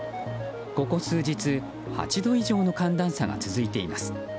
ここ数日、８度以上の寒暖差が続いています。